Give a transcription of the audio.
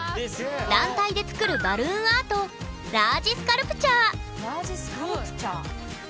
団体で作るバルーンアートラージスカルプチャー。